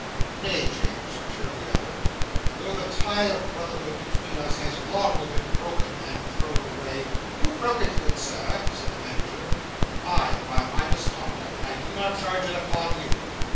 "Nay, James," returned the other, "though the tie of brotherhood between us has been long broken and thrown away—" "Who broke it, good Sir?" said the Manager. "I, by my misconduct. I do not charge it upon you."